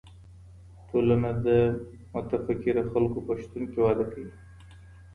ټولنه د متفکرو خلګو په شتون کي وده کوي.